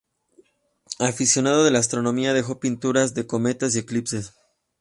Aficionado de la astronomía, dejó pinturas de cometas y eclipses.